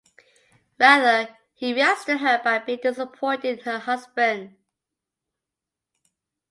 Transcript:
Rather, he reacts to her by being disappointed in her husband.